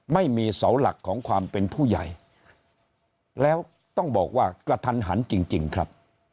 ไม่มีเสาหลักของความเป็นผู้ใหญ่แล้วต้องบอกว่ากระทันหันจริงครับ